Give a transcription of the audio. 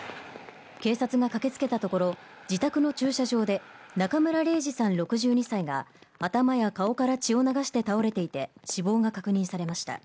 警察が駆けつけたところ、自宅の駐車場で中村礼治さん６２歳が頭や顔から血を流して倒れていて、死亡が確認されました。